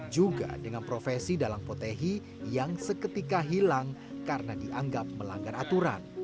juga dengan profesi dalang potehi yang seketika hilang karena dianggap melanggar aturan